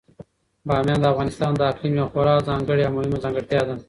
بامیان د افغانستان د اقلیم یوه خورا ځانګړې او مهمه ځانګړتیا ده.